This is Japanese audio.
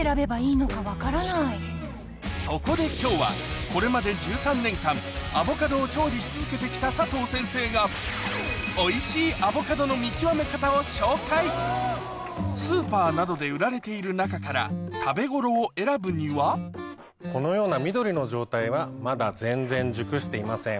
そこで今日はこれまで１３年間アボカドを調理し続けて来た佐藤先生がを紹介スーパーなどで売られている中から食べごろを選ぶにはこのような緑の状態はまだ全然熟していません。